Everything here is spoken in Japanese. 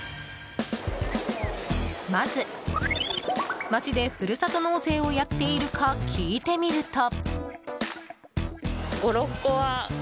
まず、街でふるさと納税をやっているか聞いてみると。